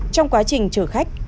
trong quá trình chờ khách